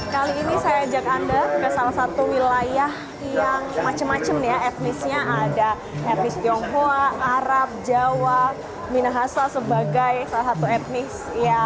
kali ini saya ajak anda ke salah satu wilayah yang macam macam ya etnisnya ada etnis tionghoa arab jawa minahasa sebagai salah satu etnis